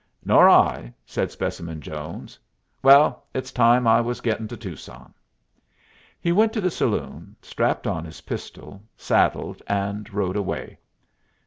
"Nor I," said Specimen Jones. "Well, it's time I was getting to Tucson." He went to the saloon, strapped on his pistol, saddled, and rode away.